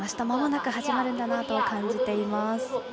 まもなく始まるんだなと感じています。